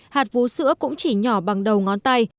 hạt vú sữa cũng chỉ nhỏ bằng đầu ngón tay